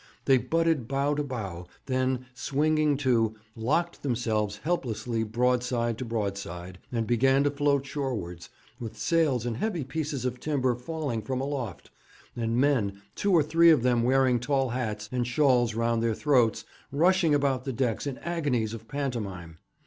They butted bow to bow, then, swinging to, locked themselves helplessly broadside to broadside, and began to float shorewards, with sails and heavy pieces of timber falling from aloft, and men, two or three of them wearing tall hats, and shawls round their throats, rushing about the decks in agonies of pantomime.